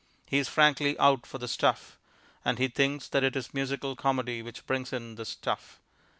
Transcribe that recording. He is frankly out for the stuff, and he thinks that it is musical comedy which brings in the stuff.